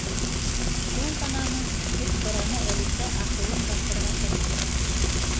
—Шул ғынамы? —тип һораны Әлисә, асыуын баҫырға тырышып.